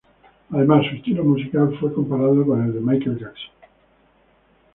Además, su estilo musical fue comparado con el de Michael Jackson.